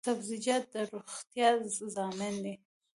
سبزیجات د روغتیا ضامن دي